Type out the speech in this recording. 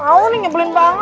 mau nih ngebelin banget